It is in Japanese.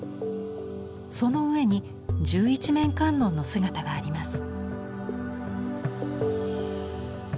その上に十一面観音の姿があります。